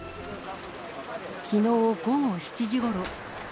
きのう午後７時ごろ。